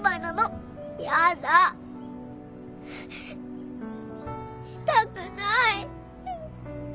やだしたくない。